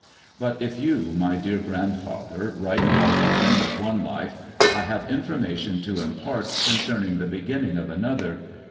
But if you, my dear grandfather, write about the end of one life, I have information to impart concerning the beginning of another.